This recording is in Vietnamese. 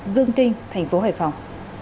dương kinh thành phố hải phòng